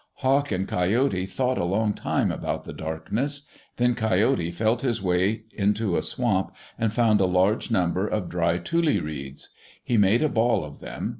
Hawk and Coyote thought a long time about the darkness. Then Coyote felt his way into a swamp and found a large number of dry tule reeds. He made a ball of them.